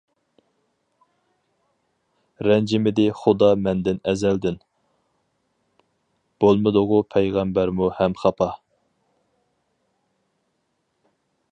رەنجىمىدى خۇدا مەندىن ئەزەلدىن، بولمىدىغۇ پەيغەمبەرمۇ ھەم خاپا.